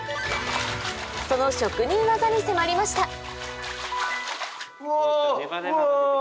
その職人技に迫りましたうわうわ！